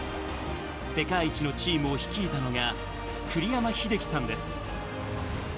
世界一のチームを率いたのが栗山英樹さんです。